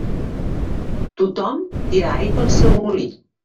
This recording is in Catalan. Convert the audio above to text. Tothom tira aigua al seu molí.